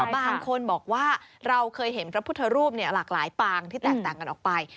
บางคนบอกว่าเราเคยเห็นพระพุทธรูปหลากหลายปางที่แตกต่างกันออกไป